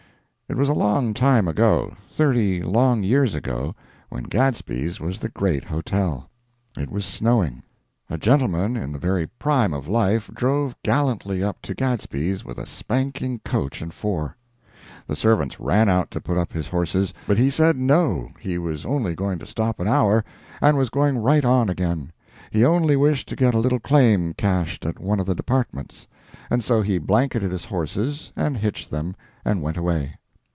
It was a long time ago—thirty long years ago—when Gadsby's was the great hotel. It was snowing. A gentleman in the very prime of life drove gallantly up to Gadsby's with a spanking coach and four. The servants ran out to put up his horses, but he said no, he was only going to stop an hour, and was going right on again; he only wished to get a little claim cashed at one of the Departments. And so he blanketed his horses and hitched them, and went away.